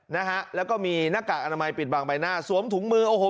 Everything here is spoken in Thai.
นะฮะแล้วก็มีหน้ากากอนามัยปิดบางใบหน้าสวมถุงมือโอ้โห